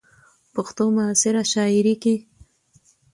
،پښتو معاصره شاعرۍ کې